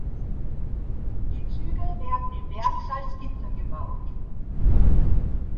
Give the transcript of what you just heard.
Die Züge werden im Werk Salzgitter gebaut.